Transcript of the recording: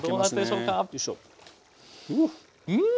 うん！